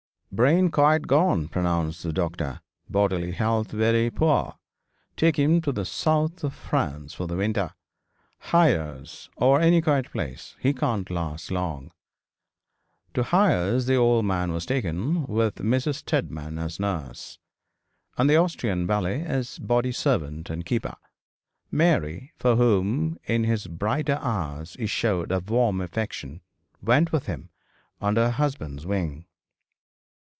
'Brain quite gone,' pronounced the doctor, 'bodily health very poor. Take him to the South of France for the winter Hyères, or any quiet place. He can't last long.' To Hyères the old man was taken, with Mrs. Steadman as nurse, and the Austrian valet as body servant and keeper. Mary, for whom, in his brighter hours he showed a warm affection, went with him under her husband's wing.